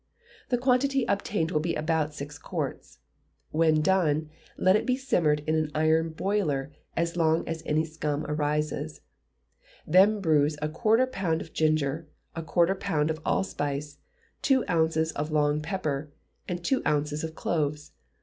The quantity obtained will be about six quarts. When done, let it be simmered in an iron boiler as long as any scum arises; then bruise a quarter of a pound of ginger, a quarter of a pound of allspice, two ounces of long pepper, and two ounces of cloves.